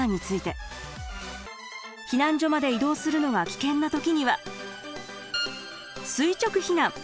避難所まで移動するのは危険な時には垂直避難。